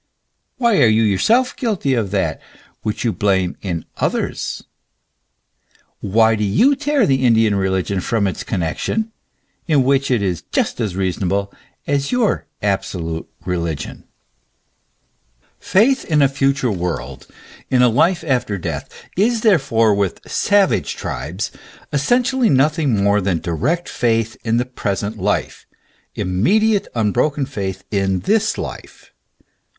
Why are you yourself guilty of that which you blame in others ? Why do you tear the Indian religion from its connexion, in which it is just as reasonable as your absolute religion ? Faith in a future world, in a life after death, is therefore with " savage" tribes essentially nothing more than direct faith in the present life immediate unbroken faith in this life.